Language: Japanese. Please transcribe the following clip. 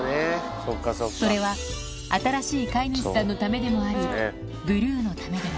それは新しい飼い主さんのためでもあり、ブルーのためでも。